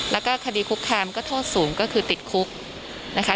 แล้วก็คดีคุกคามก็โทษสูงก็คือติดคุกนะคะ